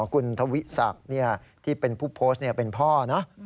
คุณทวิศักดิ์ที่เป็นผู้โพสต์เป็นพ่อเนอะ